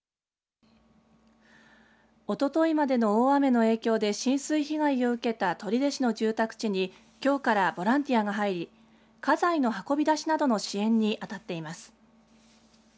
おとといまでの大雨の影響で浸水被害を受けた取手市の住宅地にきょうからボランティアが入り家財の運び出しなどの支援に当たっています。